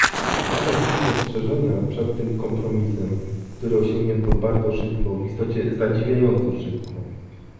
Parę słów ostrzeżenia przed tym kompromisem, który osiągnięto bardzo szybko, w istocie zadziwiająco szybko